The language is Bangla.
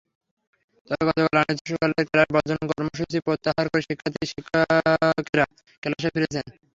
তবে গতকাল অনির্দিষ্টকালের ক্লাস বর্জন কর্মসূচি প্রত্যাহার করে শিক্ষার্থী-শিক্ষকেরা ক্লাসে ফিরেছেন।